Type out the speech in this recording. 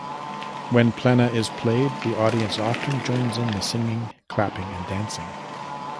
When plena is played the audience often joins in the singing, clapping, and dancing.